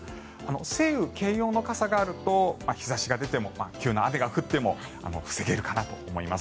晴雨兼用の傘があると日差しが出ても雨が降っても大丈夫かと思います。